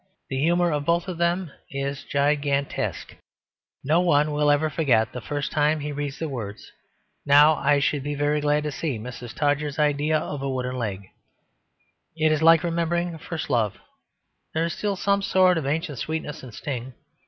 The humour of both of them is gigantesque. Nobody will ever forget the first time he read the words "Now I should be very glad to see Mrs. Todgers's idea of a wooden leg." It is like remembering first love: there is still some sort of ancient sweetness and sting.